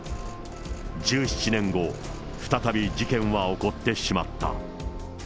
１７年後、再び事件は起こってしまった。